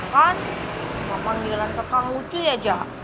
kan mama ngilang kepamu cuy aja